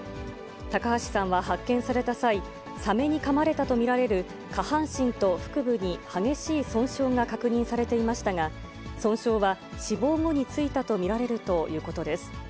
高橋さんは発見された際、サメにかまれたと見られる下半身と腹部に激しい損傷が確認されていましたが、損傷は死亡後についたと見られるということです。